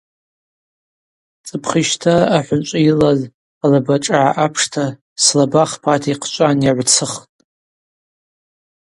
Цӏыпхищтара ахӏвынчӏвы йылаз алабашӏыгӏа апшта слаба хпата йхъчӏван йагӏвцыхтӏ.